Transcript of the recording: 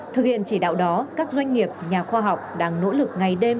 thực hiện chỉ đạo đó các doanh nghiệp nhà khoa học đang nỗ lực ngày đêm